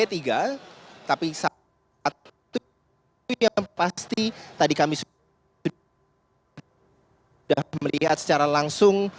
tapi satu yang pasti tadi kami sudah melihat secara langsung